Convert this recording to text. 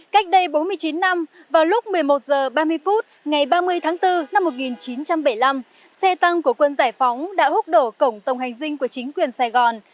cách đây bốn mươi chín năm vào lúc một mươi một h ba mươi phút ngày ba mươi tháng bốn năm một nghìn chín trăm bảy mươi năm xe tăng của quân giải phóng đã hút đổ cổng tổng hành dinh của chính quyền sài gòn